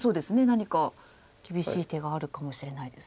何か厳しい手があるかもしれないですね。